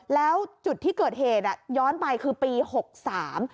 แล้วจุดที่เกิดเหตุอ่ะย้อนไปคือปีหกสาม